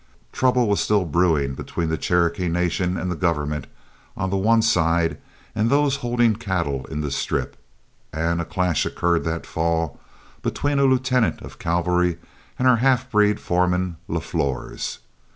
Trouble was still brewing between the Cherokee Nation and the government on the one side and those holding cattle in the Strip, and a clash occurred that fall between a lieutenant of cavalry and our half breed foreman LaFlors.